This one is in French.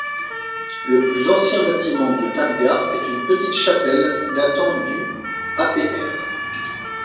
Le plus ancien bâtiment de Tabgha est une petite chapelle datant du apr.